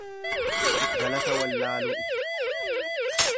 Galata wallaaluu ibsa.